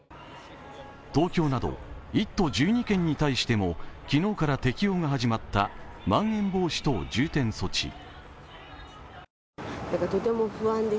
東京など１都１２県に対しても昨日から適用が始まったまん延防止等重点措置。